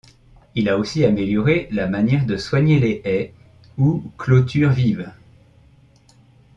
Il a aussi améliorer la manière de soigner les haies ou clôtures vives.